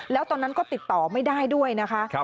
แล้วตอนนั้นก็ติดต่อไม่ได้ด้วยนะคะ